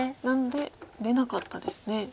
なので出なかったですね。